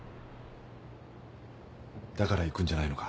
だから行くんじゃないのか？